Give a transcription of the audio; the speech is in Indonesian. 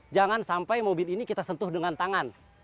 jangan sampai mobil ini kita sentuh dengan tangan